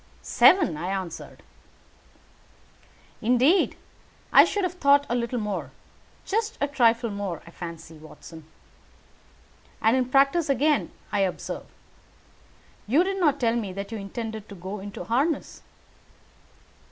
"Seven," I answered. "Indeed, I should have thought a little more. Just a trifle more, I fancy, Watson. And in practice again, I observe. You did not tell me that you intended to go into harness."